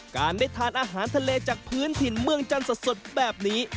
การได้ทานอาหารทะเลจากพื้นถิ่นเมืองจันทร์สดแบบนี้